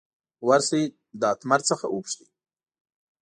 ور شئ له اتمر څخه وپوښتئ.